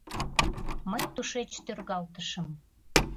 Мый тушеч тӧргалтышым...